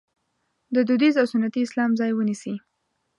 د دودیز او سنتي اسلام ځای ونیسي.